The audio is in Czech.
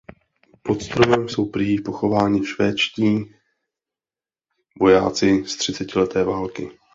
Pod stromem jsou prý pochováni švédští vojáci z třicetileté války.